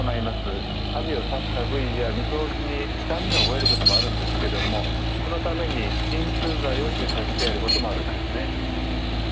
あるいは刺した部位やみぞおちに痛みを覚えることもあるんですけれどもそのために鎮痛剤を注射してやることもあるんですね。